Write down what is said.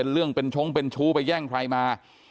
เรื่องเป็นช้งเป็นชู้ไปแย่งใครมา